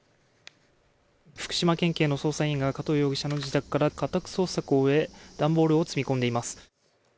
福島県警の捜査員が加藤容疑者の自宅から家宅捜索を終え段ボールを積み込んでいてます。